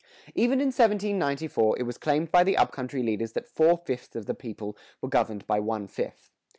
Even in 1794 it was claimed by the up country leaders that four fifths of the people were governed by one fifth.